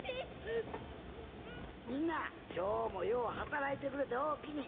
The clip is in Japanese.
みんな今日もよう働いてくれておおきに。